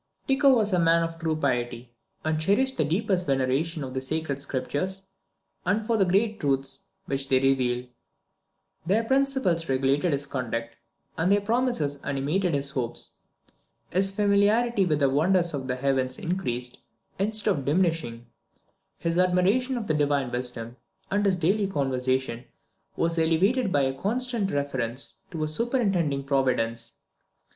Tycho was a man of true piety, and cherished the deepest veneration for the Sacred Scriptures, and for the great truths which they reveal. Their principles regulated his conduct, and their promises animated his hopes. His familiarity with the wonders of the heavens increased, instead of diminishing, his admiration of Divine wisdom, and his daily conversation was elevated by a constant reference to a superintending Providence.